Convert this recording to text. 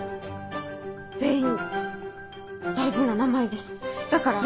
全員大事な名前ですだから。